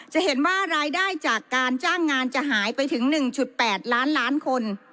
จะเห็นว่ารายได้จากการจ้างงานจะหายไปถึง๑๘ล้านล้านคน